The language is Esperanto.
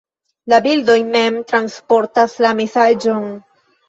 La bildoj mem transportas la mesaĝon.